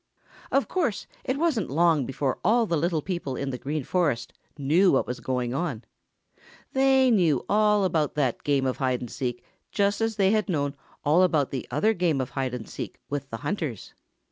Of course it wasn't long before all the little people in the Green Forest knew what was going on. They knew all about that game of hide and seek just as they had known all about that other game of hide and seek with the hunters.